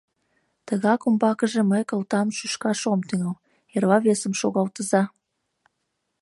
Тыгак умбакыже мый кылтам шӱшкаш ом тӱҥал, эрла весым шогалтыза...